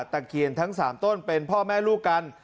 ตะเคียนทั้ง๓ต้นเป็นพ่อแม่ลูกกัน